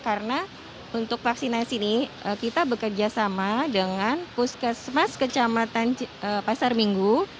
karena untuk vaksinasi ini kita bekerjasama dengan puskesmas kecamatan pasar minggu